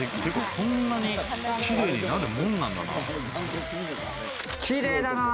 こんなに綺麗になるもんなんだなぁ。